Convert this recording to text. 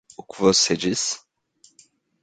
O que você diz?